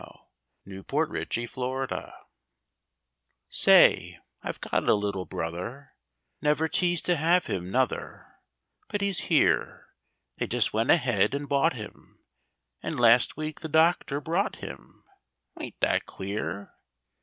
HIS NEW BROTHER Say, I've got a little brother, Never teased to have him, nuther, But he's here; They just went ahead and bought him, And, last week the doctor brought him, Wa'n't that queer?